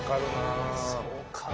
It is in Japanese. そうか。